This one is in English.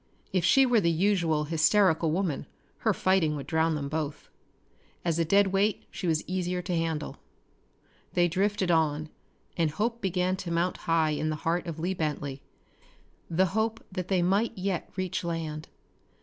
If she were the usual hysterical woman her fighting would drown them both. As a dead weight she was easier to handle. They drifted on, and hope began to mount high in the heart of Lee Bentley the hope that they might yet reach land.